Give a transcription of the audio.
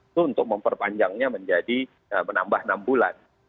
itu untuk memperpanjangnya menjadi menambah enam bulan